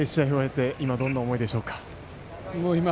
試合を終えて今、どんな思いでしょうか。